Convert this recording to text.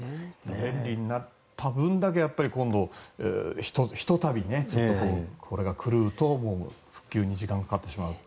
便利になった分だけひとたび、これが狂うと復旧に時間がかかってしまうと。